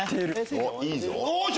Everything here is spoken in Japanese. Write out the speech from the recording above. おっいいぞ。